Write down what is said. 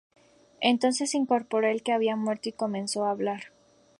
Entonces se incorporó el que había muerto, y comenzó á hablar.